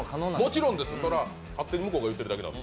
もちろんです、それは勝手に向こうが言ってることなんで。